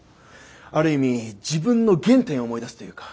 ある意味自分の原点を思い出すというか。